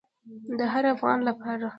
د هر افغان لپاره.